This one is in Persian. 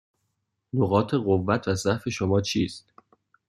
نقاط قوت و ضعف شما چیست؟